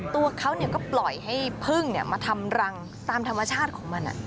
ตัวเขาก็ปล่อยให้พึ่งมาทำรังตามธรรมชาติของมัน